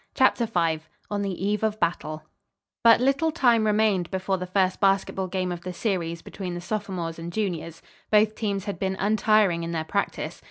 CHAPTER V ON THE EVE OF BATTLE But little time remained before the first basketball game of the series between the sophomores and juniors. Both teams had been untiring in their practice.